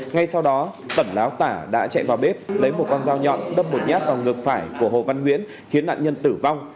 ngay sau đó tẩn láo tả đã chạy vào bếp lấy một con dao nhọn đâm một nhát vào ngực phải của hồ văn nguyễn khiến nạn nhân tử vong